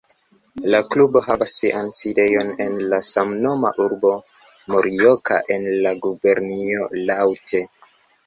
La klubo havas sian sidejon en la samnoma urbo Morioka en la gubernio Iŭate.